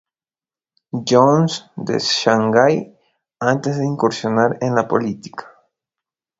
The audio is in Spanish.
John's de Shanghai antes de incursionar en la política.